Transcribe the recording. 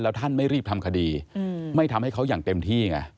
ท่านไม่รีบทำคดีไม่ทำให้เขาอย่างเต็มที่ไง